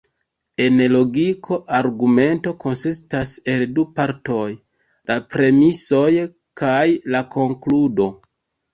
En logiko argumento konsistas el du partoj: la premisoj kaj la konkludo.